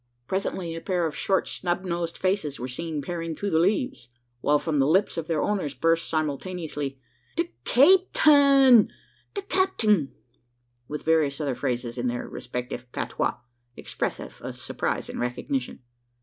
Presently, a pair of short, snub nosed faces were seen peering through the leaves; while from the lips of their owners burst simultaneously, "The cyaptin'!" "The capting!" with various other phrases in their respective patois, expressive of surprise and recognition.